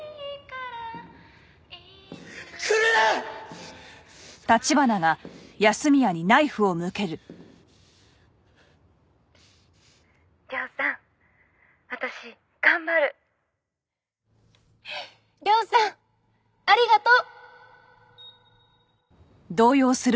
ＲＹＯさんありがとう！